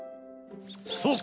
そう！